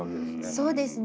そうですね。